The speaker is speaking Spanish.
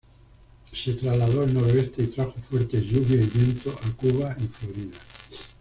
Se trasladó al noroeste y trajo fuertes lluvias y vientos a Cuba y Florida.